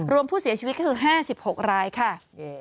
รวมผู้เสียชีวิตคือ๕๖รายค่ะ